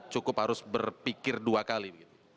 cukup harus berpikir dua kali